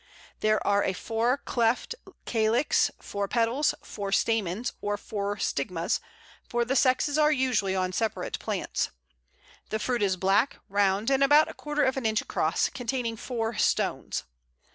There are a four cleft calyx, four petals, four stamens, or four stigmas, for the sexes are usually on separate plants. The fruit is black, round, and about a quarter of an inch across, containing four stones.